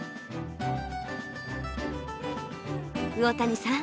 魚谷さん